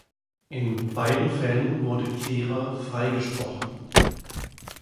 In beiden Fällen wurde Kehrer freigesprochen.